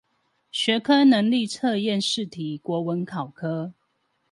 學科能力測驗試題國文考科